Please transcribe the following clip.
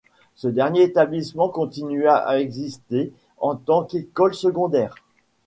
Ce dernier établissement continua à exister en tant qu'école secondaire.